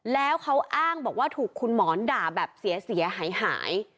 แล้วเขาอ้างบอกว่าถูกคุณหมอนด่าแบบเสียหายหาย